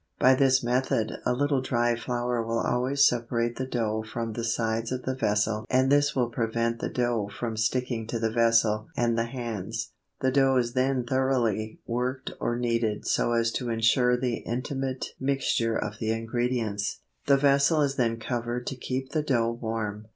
By this method a little dry flour will always separate the dough from the sides of the vessel and this will prevent the dough from sticking to the vessel and the hands. The dough is then thoroughly worked or kneaded so as to ensure the intimate mixture of the ingredients. The vessel is then covered to keep the dough warm.